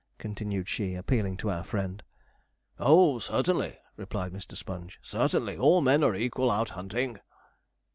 continued she, appealing to our friend. 'Oh, certainly,' replied Mr. Sponge, 'certainly; all men are equal out hunting.'